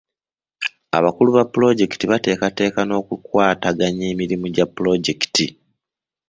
Abakulu ba polojekiti bateekateeka n'okukwataganya emirimu gya pulojekiti.